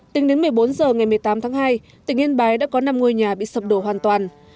tính đến một mươi bốn h ngày một mươi tám tháng hai tỉnh yên bái đã có năm ngôi nhà bị sập đổ hoàn toàn